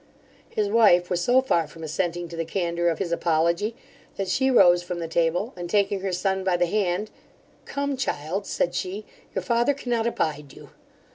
His wife was so far from assenting to the candour of his apology, that she rose from the table, and, taking her son by the hand, 'Come, child (said she), your father cannot abide you.